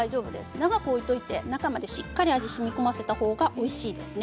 長く置いておいて中までしっかり味をしみこませたほうがおいしいですね。